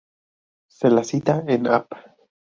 Se la cita en Ap.